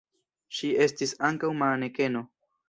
Ŝi estis ankaŭ manekeno.